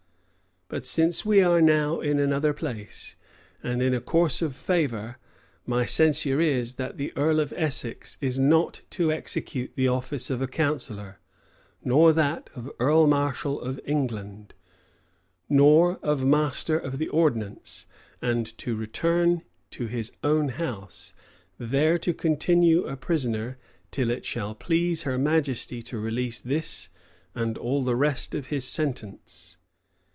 But since we are now in another place, and in a course of favor, my censure is, that the earl of Essex is not to execute the office of a counsellor, nor that of earl marshal of England, nor of master of the ordnance; and to return to his own house, there to continue a prisoner till it shall please her majesty to release this and all the rest of his sentence."